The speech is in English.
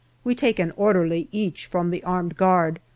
We take an orderly each from the armed guard.